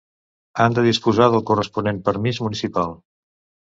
Han de disposar del corresponent permís municipal.